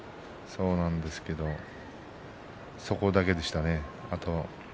そうなんですけどそこだけでしたね。